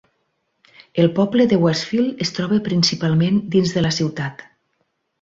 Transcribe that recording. El poble de Westfield es troba principalment dins de la ciutat.